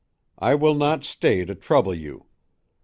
I will not stay to trouble you.